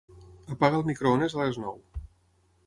Apaga el microones a les nou.